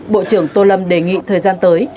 bộ trưởng tô lâm đề nghị thời gian tới